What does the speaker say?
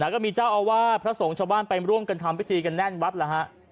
ก็มีเจ้าอาวาสพระสงฆ์ชาวบ้านไปร่วมกันทำพิธีกันแน่นวัดแล้วฮะ